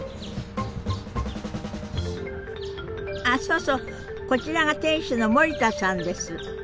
あそうそうこちらが店主の森田さんです。